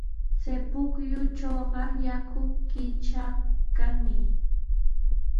Chay pukyutrawqa yaku chakiykanmi.